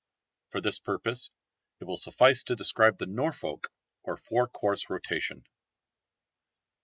For this purpose it will suffice to describe the Norfolk or four course rotation.